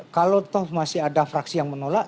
kalau toh masih ada fraksi yang menolak